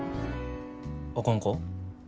あかんか？